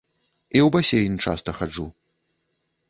І ў басейн часта хаджу.